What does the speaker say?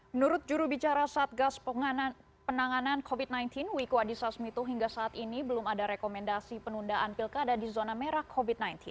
menurut jurubicara satgas penanganan covid sembilan belas wiku adhisa smito hingga saat ini belum ada rekomendasi penundaan pilkada di zona merah covid sembilan belas